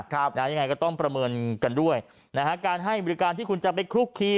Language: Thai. ยังไงก็ต้องประเมินกันด้วยนะฮะการให้บริการที่คุณจะไปคลุกคี